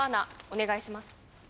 お願いします。